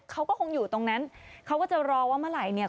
เขาก็คงอยู่ตรงนั้นเขาก็จะรอว่าเมื่อไหร่เนี่ย